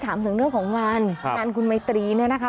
ถามถึงเรื่องของงานงานคุณไมตรีเนี่ยนะคะ